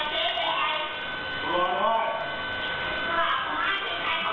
แต่จะพูดหนังหน้าค่ะ